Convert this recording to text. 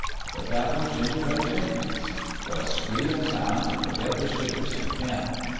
But that was Gingerbread Jenkins. 'Twas spree in town t' forget the shivers in camp.